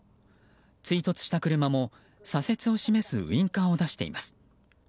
追突した車も、左折を示すウインカーを出しています。